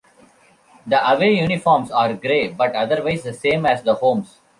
The away uniforms are grey, but otherwise the same as the homes.